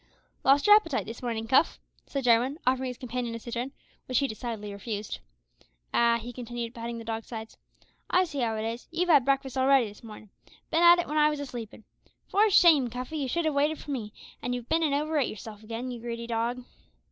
"Lost your appetite this morning, Cuff?" said Jarwin, offering his companion a citron, which he decidedly refused. "Ah!" he continued, patting the dog's sides, "I see how it is; you've had breakfast already this morning; bin at it when I was a sleepin'. For shame, Cuffy! you should have waited for me; an' you've bin an' over ate yourself again, you greedy dog!"